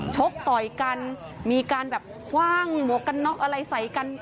ชกต่อยกันมีการแบบคว่างหมวกกันน็อกอะไรใส่กัน